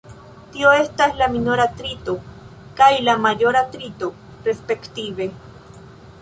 Tio estas la minora trito kaj la maĵora trito, respektive.